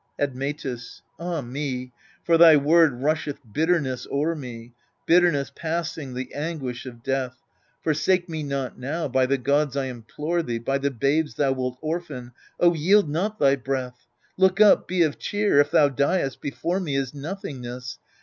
Admetus. Ah me ! for thy word rusheth bitterness o'er me, Bitterness passing the anguish of death ! Forsake me not now, by the gods I implore thee, By the babes thou wilt orphan, O yield not thy breath ! Look up, be of cheer : if thou diest, before me Is nothingness.